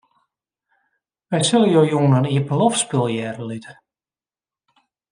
Wy sille jo jûn in iepenloftspul hearre litte.